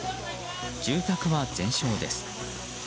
住宅は全焼です。